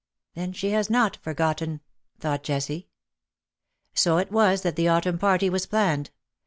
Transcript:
^^ Then she has not forgotten," thought Jessie. So it was that the autumn party was planned.